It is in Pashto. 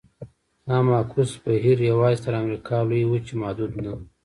دا معکوس بهیر یوازې تر امریکا لویې وچې محدود نه و.